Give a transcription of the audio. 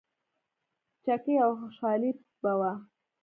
چکې او خوشحالي به وه.